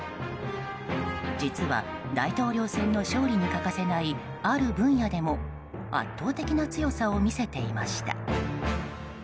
実は、大統領選の勝利に欠かせないある分野でも圧倒的な強さを見せていました。